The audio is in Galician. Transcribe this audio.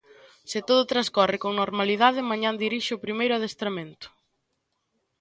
Se todo transcorre con normalidade mañá dirixe o primeiro adestramento.